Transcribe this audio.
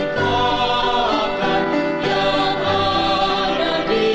kisah indah sang panabus